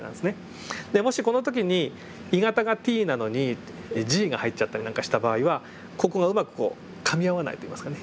でもしこの時に鋳型がＴなのにＧが入っちゃったりなんかした場合はここがうまくかみ合わないといいますかね。